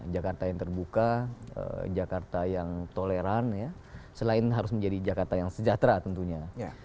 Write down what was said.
jakarta yang terbuka jakarta yang toleran selain harus menjadi jakarta yang sejahtera tentunya